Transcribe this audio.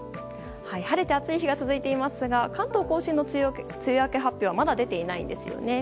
晴れて暑い日が続いていますが関東・甲信の梅雨明け発表はまだ出ていないんですよね。